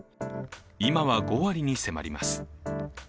今は５割に迫ります。